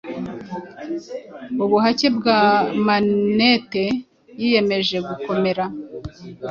Ubuhake bwa manete, yiyemeje gukomera,